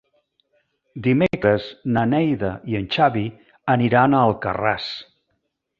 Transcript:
Dimecres na Neida i en Xavi aniran a Alcarràs.